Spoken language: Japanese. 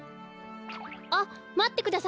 あっまってください